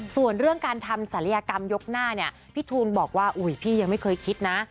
ส่วนเรื่องการทำศัลยกรรมยกหน้าเนี่ยพี่ทูลบอกว่าอุ๊ยพี่ยังไม่เคยคิดนะ